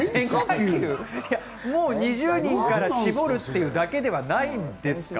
もう２０人から絞るっていうだけではないんですか？